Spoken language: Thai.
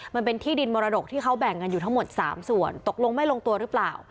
มันเป็นที่ดินมรดกที่เขาแบ่งกันอยู่ทั้งหมด๓ส่วนตกลงไม่ลงตัวหรือเปล่า